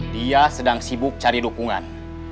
dia sedang sibuk cari dukungan